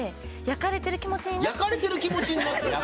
焼かれてる気持ちに？